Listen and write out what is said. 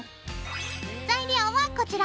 材料はこちら！